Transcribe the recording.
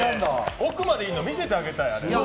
奥までいるの、見せてあげたい。